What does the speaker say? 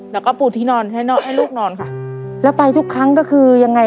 แล้วก็ปูดที่นอนให้นอนให้ลูกนอนค่ะแล้วไปทุกครั้งก็คือยังไง